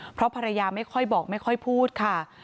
เพราะภรรยาไม่ค่อยบอกไม่ค่อยพูดค่ะ